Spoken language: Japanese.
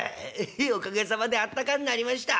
「ええおかげさまであったかになりました」。